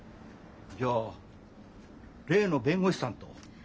じゃあ例の弁護士さんと？